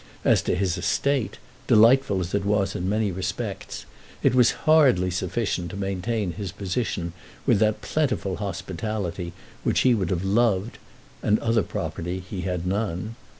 As to his estate, delightful as it was in many respects, it was hardly sufficient to maintain his position with that plentiful hospitality which he would have loved; and other property he had none.